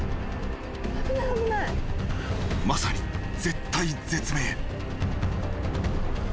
［まさに絶体絶命］